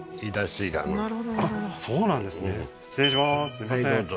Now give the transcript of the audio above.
すいません